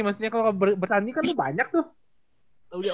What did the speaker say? maksudnya kalo bertanding kan lu banyak tuh